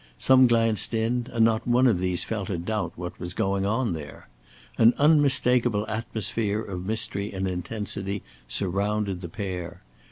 Some glanced in, and not one of these felt a doubt what was going on there. An unmistakeable atmosphere of mystery and intensity surrounded the pair.